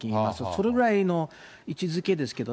それぐらいの位置づけですけど。